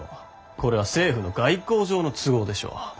これは政府の外交上の都合でしょう。